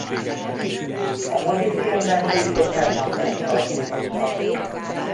A mozifilmben Christopher Lambert alakította.